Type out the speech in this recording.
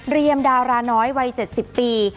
เรียมดาราน้อยวัย๗๐ปี